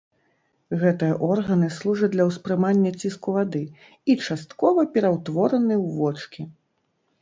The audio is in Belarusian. Гэтыя органы служаць для ўспрымання ціску вады і часткова пераўтвораны ў вочкі.